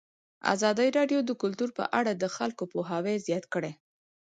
ازادي راډیو د کلتور په اړه د خلکو پوهاوی زیات کړی.